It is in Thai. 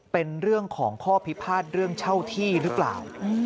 เป็นเรื่องของข้อพิพาทเรื่องเช่าที่หรือเปล่า